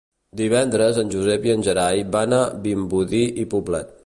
Divendres en Josep i en Gerai van a Vimbodí i Poblet.